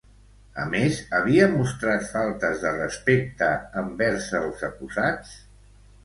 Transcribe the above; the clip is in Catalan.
A més, havia mostrat faltes de respecte envers els acusats?